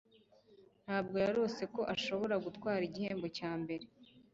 Ntabwo yarose ko ashobora gutwara igihembo cya mbere